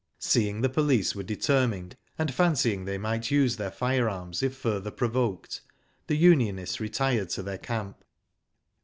Seeing the police were determined, and fancy ing they might use their firearms if further pro voked, the unionists retired to their camp.